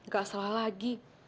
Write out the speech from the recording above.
gak salah lagi